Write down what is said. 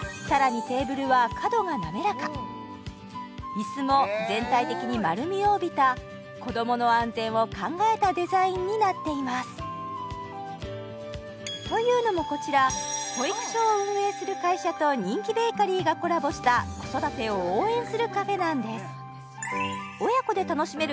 イスも全体的に丸みを帯びた子どもの安全を考えたデザインになっていますというのもこちら保育所を運営する会社と人気ベーカリーがコラボした子育てを応援するカフェなんです